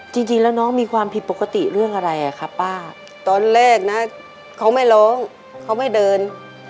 จริงแล้วน้องมีความผิดปกติเรื่องอะไรอ่ะครับป้าตอนแรกนะเขาไม่ร้องเขาไม่เดิน